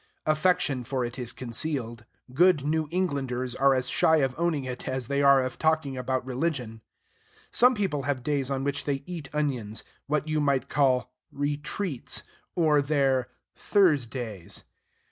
Affection for it is concealed. Good New Englanders are as shy of owning it as they are of talking about religion. Some people have days on which they eat onions, what you might call "retreats," or their "Thursdays."